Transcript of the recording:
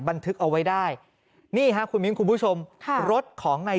บันทึกเอาไว้ได้นี่ฮะคุณมิ้นคุณผู้ชมค่ะรถของใน